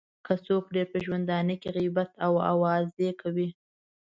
که څوک ډېر په ژوندانه کې غیبت او اوازې کوي.